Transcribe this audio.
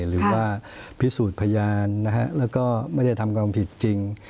หรือว่าพิสูจน์พยานแล้วก็ไม่ได้ทำความผิดจริง